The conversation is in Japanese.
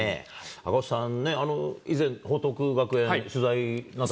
赤星さんね、以前、報徳学園、取材なさって。